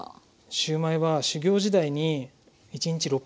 シューマイは修業時代に１日６００個とか。